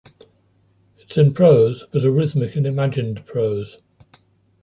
It’s in prose, but a rhythmic and imaged prose.